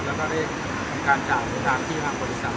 แล้วเขาก็ได้การจ่ายทางที่ห้างผู้อีศักดิ์